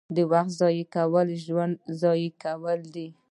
• د وخت ضایع کول ژوند ضایع کول دي.